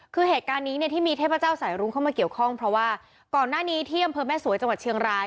คือเหตุการณ์นี้เนี่ยที่มีเทพเจ้าสายรุ้งเข้ามาเกี่ยวข้องเพราะว่าก่อนหน้านี้ที่อำเภอแม่สวยจังหวัดเชียงราย